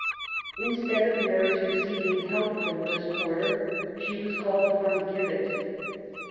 Instead of Mary's receiving help from this quarter, she was called upon to give it.